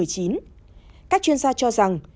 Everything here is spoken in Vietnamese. các chuyên gia cho rằng